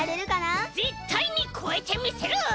ぜったいにこえてみせる！